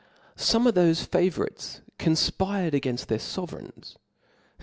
Some of thofe favourites confpired 'againft their fovereigns.